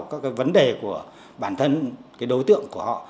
các cái vấn đề của bản thân cái đối tượng của họ